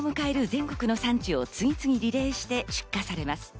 全国の産地を次々にリレーして出荷されます。